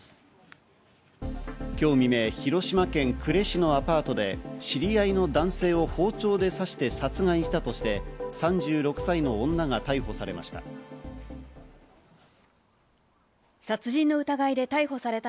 今日未明、広島県呉市のアパートで知り合いの男性を包丁で刺して殺害したとして３６歳の女が逮捕されました。